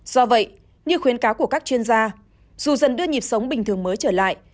do vậy như khuyến cáo của các chuyên gia dù dần đưa nhịp sống bình thường mới trở lại